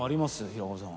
平子さん。